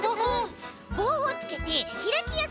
ぼうをつけてひらきやすくしたんだ。